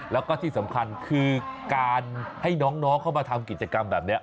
แล้วก็ที่สำคัญคือการให้น้องเข้ามาทำกิจกรรมแบบนี้